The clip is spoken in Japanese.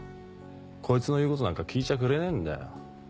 こいつの言うことなんか聞いちゃくれねえんだよ。